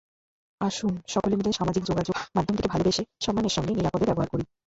আসুন সকলে মিলে সামাজিক যোগাযোগ মাধ্যমটিকে ভালোবেসে, সম্মানের সঙ্গে, নিরাপদে ব্যবহার করি।